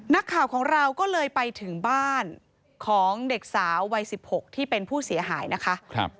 นักข่าวของเราก็เลยไปถึงบ้านของเด็กสาววัย๑๖ที่เป็นผู้เสียหายนะคะ